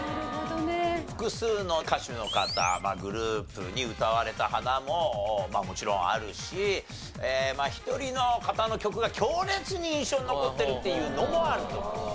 複数の歌手の方まあグループに歌われた花ももちろんあるし１人の方の曲が強烈に印象に残ってるっていうのもあると思います。